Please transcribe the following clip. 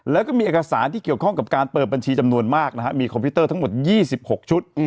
แล้วก็มีเอกสารที่เกี่ยวข้องกับการเปิดบัญชีจำนวนมากนะฮะมีคอมพิวเตอร์ทั้งหมด๒๖ชุด